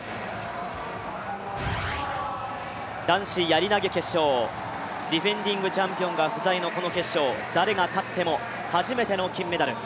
男子やり投決勝、ディフェンディングチャンピオンが不在のこの決勝、誰が勝っても初めての金メダル。